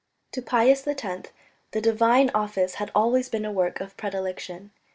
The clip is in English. To Pius X the Divine Office had always been a work of predilection.